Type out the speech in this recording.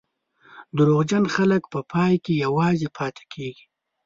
دروغجن خلک په پای کې یوازې پاتې کېږي.